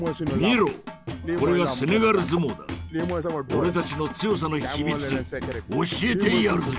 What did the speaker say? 俺たちの強さの秘密教えてやるぜ。